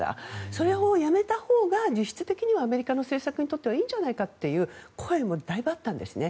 それをやめたほうが実質的にはアメリカの政策的にはいいんじゃないかっていう声もだいぶあったんですね。